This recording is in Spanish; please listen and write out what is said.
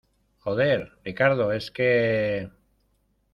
joder, Ricardo , es que...